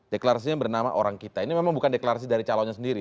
deklarasinya bernama orang kita ini memang bukan deklarasi dari calonnya sendiri